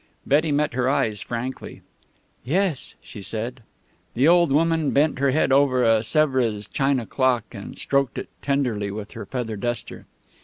Betty met her eyes frankly. "Yes," she said. The old woman bent her head over a Sevres china clock, and stroked it tenderly with her feather duster.